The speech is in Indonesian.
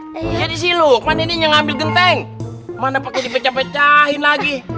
disini sih lukman ini yang ngambil genteng mana pakai di pecah pecahin lagi